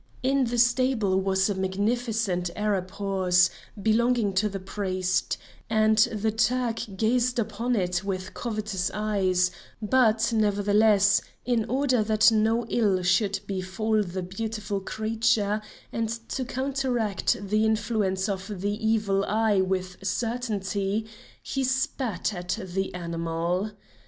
In the stable was a magnificent Arab horse, belonging to the priest, and the Turk gazed upon it with covetous eyes, but nevertheless, in order that no ill should befall the beautiful creature and to counteract the influence of the evil eye with certainty, he spat at the animal.